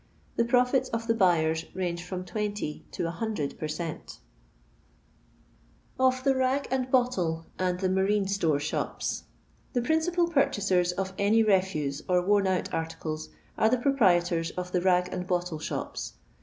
The profits of the buyers range from 20 to 100 per cent Of TBI " RAO lVD BoTTLt," IVD TBI " HaBIIII Btorx," Bbopb. The principal purchasers of any refuse or worn out articles are the proprietors of the rag and bottle shops.